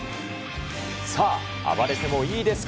さあ、暴れてもいいですか？